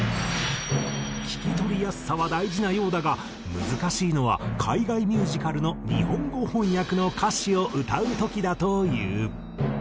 聴き取りやすさは大事なようだが難しいのは海外ミュージカルの日本語翻訳の歌詞を歌う時だという。